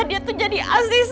dia tuh jadi asis